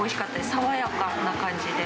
爽やかな感じで。